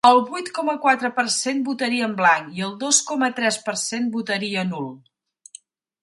El vuit coma quatre per cent votaria en blanc i el dos coma tres per cent votaria nul.